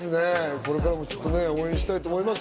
これからも応援したいと思います。